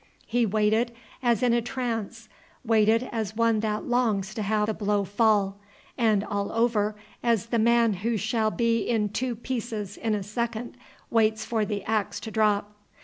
He waited as in a trance, waited as one that longs to have the blow fall, and all over, as the man who shall be in two pieces in a second waits for the axe to drop.